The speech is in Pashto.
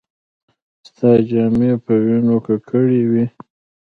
ستا جامې په وينو ککړې وې.